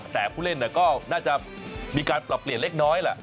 แต่ผู้เล่นก็น่าจะมีการปรับเปลี่ยนเล็กน้อยแหละ